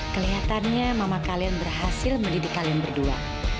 kelihatannya mama kalian berhasil mendidik kalian berdua